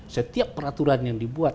setiap peraturan yang dibuat